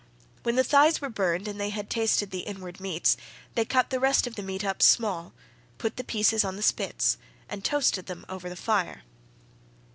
When the thighs were burned and they had tasted the inward meats, they cut the rest of the meat up small, put the pieces on the spits and toasted them over the fire.